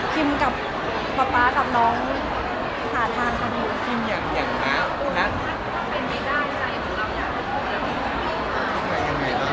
พิมกับป๊ากับน้องหาทางไปเลย